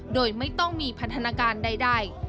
โดยไม่ต้องมีพันธนาการใด